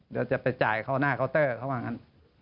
เดี๋ยวจะไปจ่ายเข้าหน้าเคาน์เตอร์เขาว่างั้น